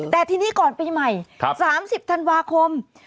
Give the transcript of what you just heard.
แต่ทีนี้ก่อนปีใหม่๓๐ธันวาคม